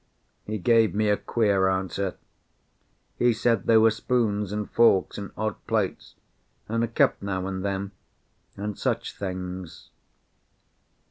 He gave me a queer answer. He said they were spoons and forks, and odd plates, and a cup now and then, and such things.